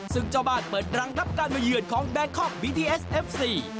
ซึ่งเจ้าบ้านเปิดรังรับการมาเยือนของแบงคอกบีดีเอสเอฟซี